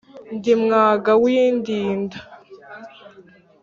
Ndi Mwaga w’Indinda.